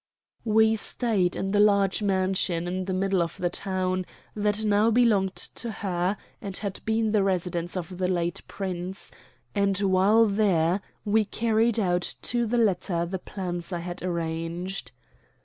We stayed in the large mansion in the middle of the town that now belonged to her and had been the residence of the late Prince; and while there we carried out to the letter the plans I had arranged.